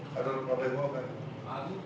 kadang kadang mau bingung kan